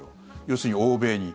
要するに欧米に。